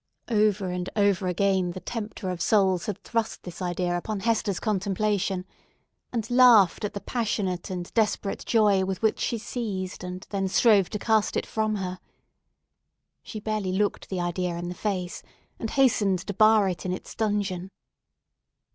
Over and over again, the tempter of souls had thrust this idea upon Hester's contemplation, and laughed at the passionate and desperate joy with which she seized, and then strove to cast it from her. She barely looked the idea in the face, and hastened to bar it in its dungeon.